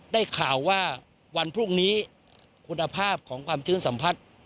ได้ข่าวว่าวันพรุ่งนี้คุณภาพของความชื้นสัมผัส